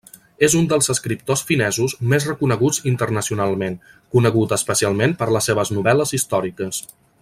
És un dels escriptors finesos més reconeguts internacionalment, conegut especialment per les seves novel·les històriques.